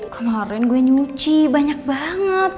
kemarin gue nyuci banyak banget